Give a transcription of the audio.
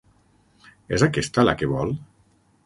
És aquesta la que vol?